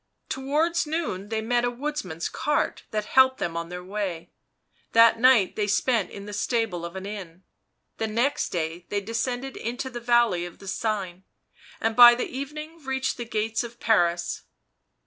Towards noon they met a woodman's cart that helped them on their way ; that night they spent in the stable of an inn ; the next day they descended into the valley of the Seine, and by the evening reached the gates of Paris.